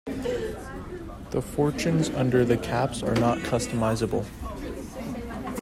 The fortunes under the caps are not customizable.